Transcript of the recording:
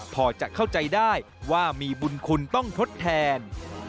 พอจะเข้าใจได้ว่ามีบุญคุณต้องทดแทน